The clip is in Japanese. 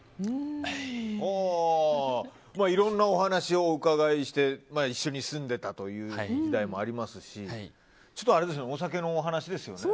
いろんなお話をお伺いして一緒に住んでいたという時代もありますしお酒のお話ですよね。